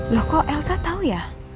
loh kok elsa tahu ya